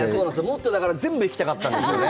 もっと、だから、全部弾きたかったんですよね。